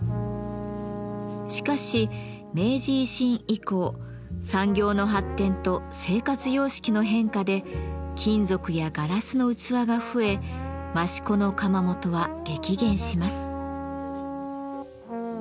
しかし明治維新以降産業の発展と生活様式の変化で金属やガラスの器が増え益子の窯元は激減します。